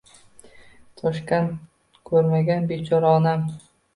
Toshkanni kurmagan bechora onam